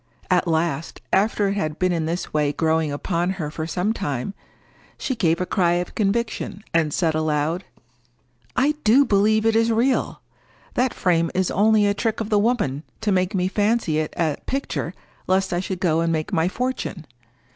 At last, after it had been in this way growing upon her for some time, she gave a cry of conviction, and said aloud,— "I do believe it is real! That frame is only a trick of the woman to make me fancy it a picture lest I should go and make my fortune.